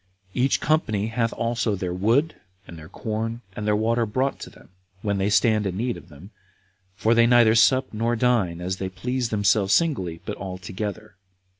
Each company hath also their wood, and their corn, and their water brought them, when they stand in need of them; for they neither sup nor dine as they please themselves singly, but all together.